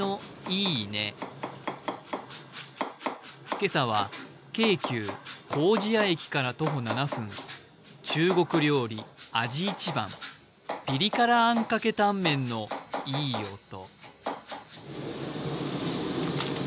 今朝は京急・糀谷駅から徒歩７分、中国料理・味一番ピリ辛あんかけタンメンのいい音。